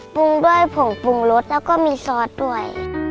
ผงปรุงรสแล้วก็มีซอสด้วย